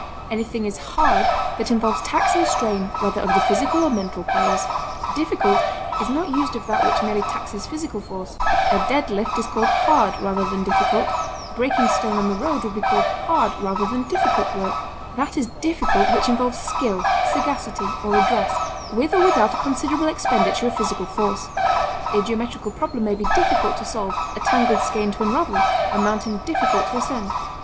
Anything is hard that involves tax and strain whether of the physical or mental powers. Difficult is not used of that which merely taxes physical force; a dead lift is called hard rather than difficult; breaking stone on the road would be called hard rather than difficult work; that is difficult which involves skill, sagacity, or address, with or without a considerable expenditure of physical force; a geometrical problem may be difficult to solve, a tangled skein to unravel; a mountain difficult to ascend.